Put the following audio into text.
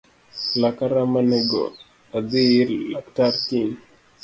Laka rama nego adhii ir laktar kiny